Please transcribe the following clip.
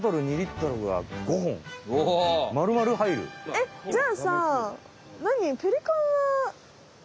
えっじゃあさ何？